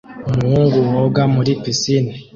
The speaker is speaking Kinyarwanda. Umuhungu woga muri pisine